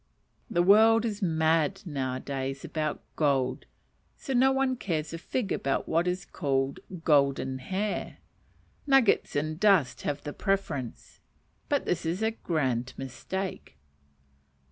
The world is mad now a days about gold, so no one cares a fig about what is called "golden hair:" nuggets and dust have the preference; but this is a grand mistake.